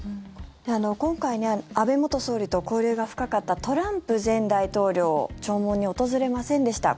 今回、安倍元総理と交流が深かったトランプ前大統領弔問に訪れませんでした。